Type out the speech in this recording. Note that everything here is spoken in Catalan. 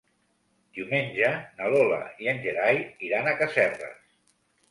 Diumenge na Lola i en Gerai iran a Casserres.